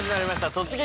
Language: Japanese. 「突撃！